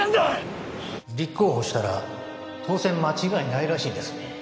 立候補したら当選間違いないらしいですね。